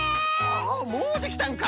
あもうできたんか。